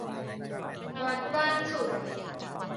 วัดบ้านสุด